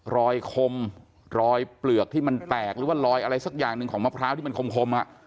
คมรอยเปลือกที่มันแตกหรือว่ารอยอะไรสักอย่างหนึ่งของมะพร้าวที่มันคม